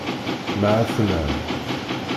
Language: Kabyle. Mɛetnan.